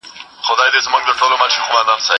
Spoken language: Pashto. زه به سبا د کتابتون لپاره کار کوم!